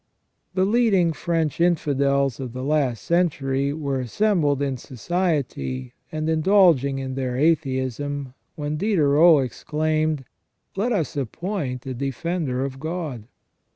The lead ing French infidels of the last century were assembled in society and indulging in their atheism, when Diderot exclaimed :" Let us appoint a defender of God